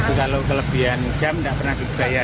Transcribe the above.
tapi kalau kelebihan jam nggak pernah dibayar